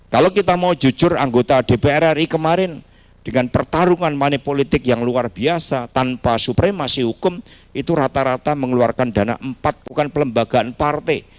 kalau kita mau jujur anggota dpr ri kemarin dengan pertarungan money politik yang luar biasa tanpa supremasi hukum itu rata rata mengeluarkan dana empat bukan pelembagaan partai